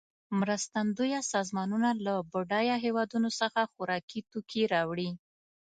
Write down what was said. مرستندویه سازمانونه له بډایه هېوادونو څخه خوارکي توکې راوړي.